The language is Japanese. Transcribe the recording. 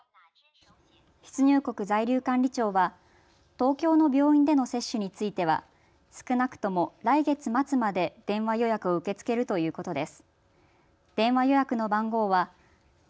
出入国在留管理庁は東京の病院での接種については少なくとも来月末まで電話予約を受け付けるということです。